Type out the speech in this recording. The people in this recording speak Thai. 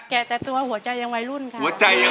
แก่แต่ตัวหัวใจยังวัยรุ่นค่ะ